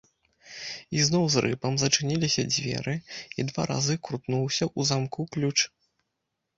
І зноў з рыпам зачыніліся дзверы, і два разы крутнуўся ў замку ключ.